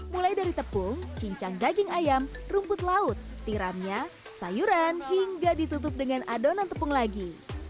mulai dari tepung cincang daging ayam rumput laut tiramnya sayuran hingga ditutup dengan adonan tepung lagi